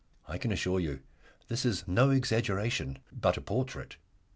I can assure you this is no exaggeration, but a portrait.